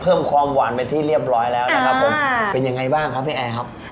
เพิ่มความหวานเป็นที่เรียบร้อยแล้วนะครับผมเป็นยังไงบ้างครับพี่แอร์ครับ